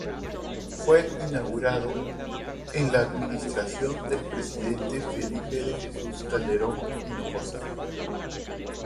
Fue inaugurado en la administración del presidente Felipe de Jesús Calderón Hinojosa.